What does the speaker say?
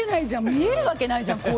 見えるわけないじゃん。